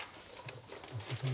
なるほどね。